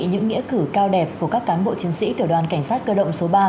những nghĩa cử cao đẹp của các cán bộ chiến sĩ tiểu đoàn cảnh sát cơ động số ba